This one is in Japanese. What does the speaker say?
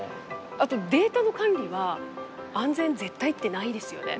あとデータの管理は安全絶対ってないですよね。